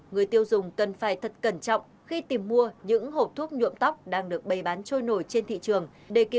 người tiêu dùng cần phải thật cẩn trọng khi tìm mua những hộp thuốc nhuộm tóc đang được bày bán trôi nổi trên thị trường